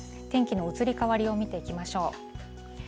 天気の移り変わりを見ていきましょう。